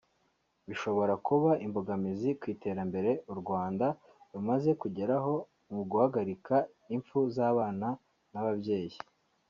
bishobora kuba imbogamizi ku iterambere u Rwanda rumaze kugeraho mu guhagarika imfu z’abana n’ababyeyi